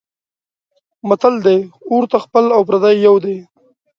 متل دی: اور ته خپل او پردی یو دی.